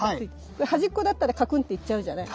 これ端っこだったらカクンっていっちゃうじゃない。